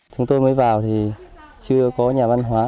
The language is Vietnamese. chúng tôi mới vào thì chưa có nhà văn hóa